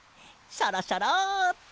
シャラシャラ。